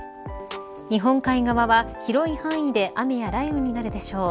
日本海側は広い範囲で雨や雷雨になるでしょう。